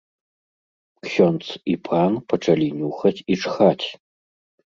Ксёндз і пан пачалі нюхаць і чхаць.